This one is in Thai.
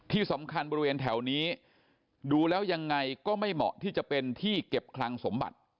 บริเวณแถวนี้ดูแล้วยังไงก็ไม่เหมาะที่จะเป็นที่เก็บคลังสมบัติ